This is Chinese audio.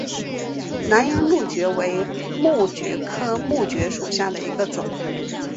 南洋蕗蕨为膜蕨科膜蕨属下的一个种。